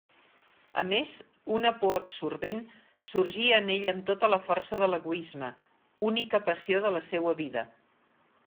A més, una por absorbent sorgia en ell amb tota la força de l'egoisme, única passió de la seua vida.